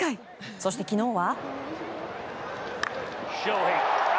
そして昨日は。